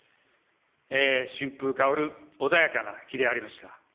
春風薫る穏やかな日でありました。